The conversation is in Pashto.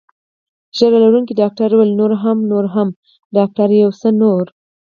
ږیره لرونکي ډاکټر وویل: نور هم، نور هم، ډاکټره یو څه نور.